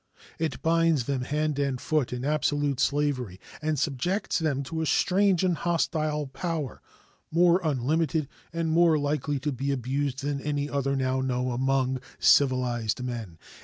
It binds them hand and foot in absolute slavery, and subjects them to a strange and hostile power, more unlimited and more likely to be abused than any other now known among civilized men.